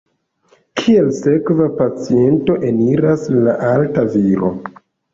Kiel sekva paciento eniras la alta viro.